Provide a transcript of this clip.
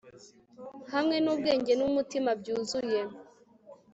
hamwe n'ubwenge n'umutima byuzuye